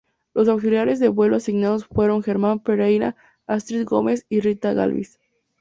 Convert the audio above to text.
Los auxiliares de vuelo asignados fueron Germán Pereira, Astrid Gómez y Rita Galvis.